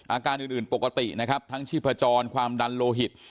อาการอื่นปกตินะครับทั้งชีพจรความดันโลหิต